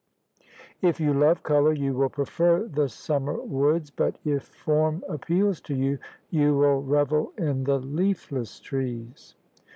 If you love colour, you will prefer the summer woods; but if form appeals to you, you will revel in the leafless trees."